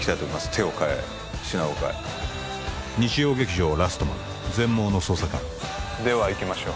手を変え品を変え日曜劇場「ラストマン−全盲の捜査官−」ではいきましょう